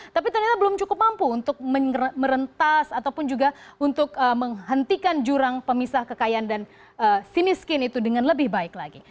tapi ternyata belum cukup mampu untuk merentas ataupun juga untuk menghentikan jurang pemisah kekayaan dan si miskin itu dengan lebih baik lagi